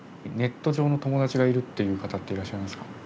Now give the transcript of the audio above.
ネット上の友達がいるっていう方っていらっしゃいますか？